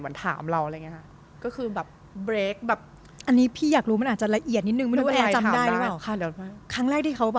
เหมือนถามเราอะไรอย่างนี้ค่ะ